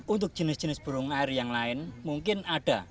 untuk jenis jenis burung air yang lain mungkin ada